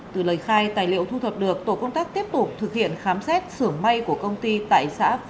từ lời khai tài liệu thu thập được tổ công tác tiếp tục thực hiện khám xét sửa may của công ty